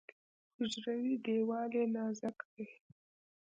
حجروي دیوال یې نازک دی.